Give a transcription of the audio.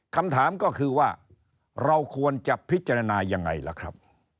คำถามก็คือว่าเราควรจะพิจารณายังไงล่ะครับ